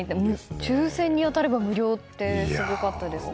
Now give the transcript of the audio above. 抽選に当たれば無料ってすごかったですね。